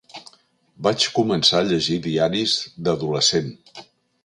Vaig començar a llegir diaris d'adolescent.